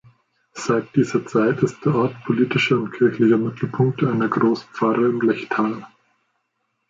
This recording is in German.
Seit dieser Zeit ist der Ort politischer und kirchlicher Mittelpunkt einer Großpfarre im Lechtal.